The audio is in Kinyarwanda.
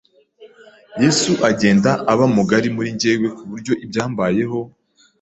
Yesu agenda aba mugari muri njyewe ku buryo ibyambayeho